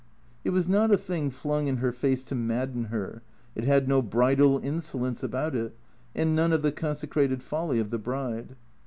It was not a thing flung in her face to madden her, it had no bridal insolence about it, and none of the consecrated folly of the bride.